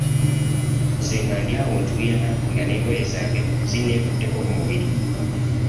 Nze nga ndi awo ntuuyana nga n'engoye zange zinneekutteko ku mubiri.